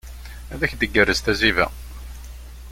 Ad ak-d-igerrez tazziba.